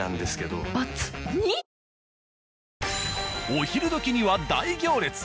お昼どきには大行列！